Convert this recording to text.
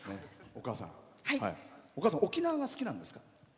お母さん沖縄が好きなんですか？